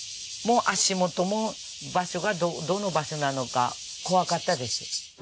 足元も場所がどの場所なのか怖かったです。